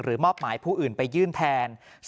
มอบหมายผู้อื่นไปยื่นแทน